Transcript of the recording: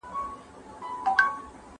زموږ کورنۍ او قبیله باید پیاوړې وي.